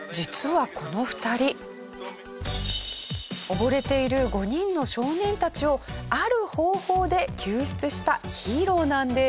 溺れている５人の少年たちをある方法で救出したヒーローなんです。